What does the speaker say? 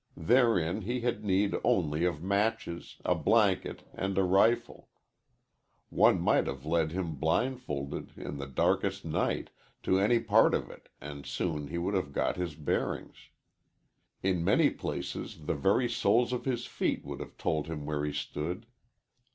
Therein he had need only of matches, a blanket, and a rifle. One might have led him blindfolded, in the darkest night, to any part of it and soon he would have got his bearings. In many places the very soles of his feet would have told him where he stood.